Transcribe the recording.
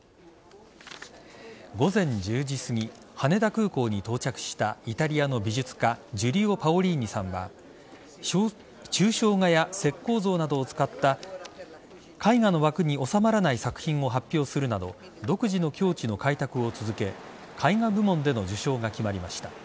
午前１０時すぎ羽田空港に到着したイタリアの美術家ジュリオ・パオリーニさんは抽象画や石こう像などを使った絵画の枠に収まらない作品を発表するなど独自の境地の開拓を続け絵画部門での受賞が決まりました。